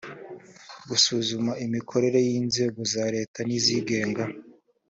gusuzuma imikorere y inzego za leta n izigenga